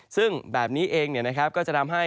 ซึ่งแบบนี้เองก็จะทำให้